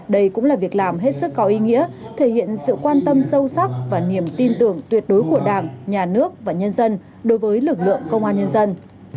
đây cũng là việc làm hết sức có ý nghĩa thể hiện sự quan tâm sâu sắc và niềm tin tưởng tuyệt đối của đảng nhà nước và nhân dân đối với lực lượng công an nhân dân